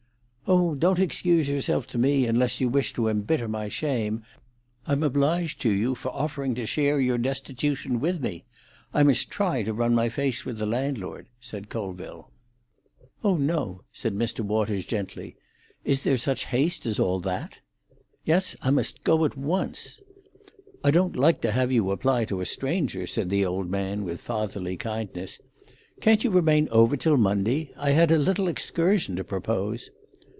"Oh, don't excuse yourself to me, unless you wish to embitter my shame. I'm obliged to you for offering to share your destitution with me. I must try to run my face with the landlord," said Colville. "Oh no," said Mr. Waters gently. "Is there such haste as all that?" "Yes, I must go at once." "I don't like to have you apply to a stranger," said the old man, with fatherly kindness. "Can't you remain over till Monday? I had a little excursion to propose."